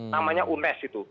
namanya unes itu